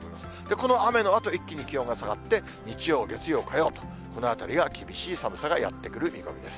この雨のあと、一気に気温が下がって、日曜、月曜、火曜と、このあたりが厳しい寒さがやって来る見込みです。